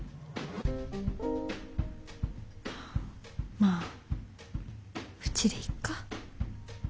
まあうちでいっか。